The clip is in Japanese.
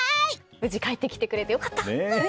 無事帰ってきてくれてよかった！